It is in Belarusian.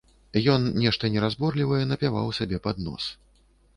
Ён нешта неразборлівае напяваў сабе пад нос.